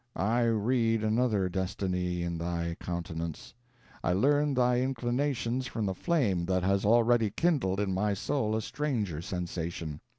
I read another destiny in thy countenance I learn thy inclinations from the flame that has already kindled in my soul a strange sensation.